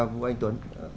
của anh tuấn